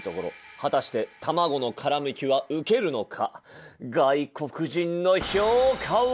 果たしてたまごの殻剥きはウケるのか。